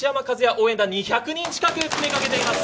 応援団２００人近く詰めかけています。